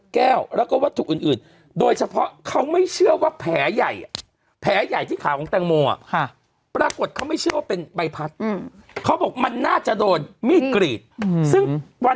แก้วและก็ว่าถูกอื่นโดยเฉพาะเขาไม่เชื่อว่าแผลใหญ่